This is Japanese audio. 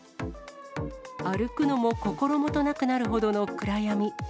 歩くのも心もとなくなるほどの暗闇。